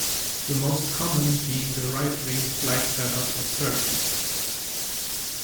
The most common being the right-wing flight feathers of turkeys.